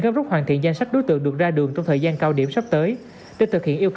góp rút hoàn thiện danh sách đối tượng được ra đường trong thời gian cao điểm sắp tới để thực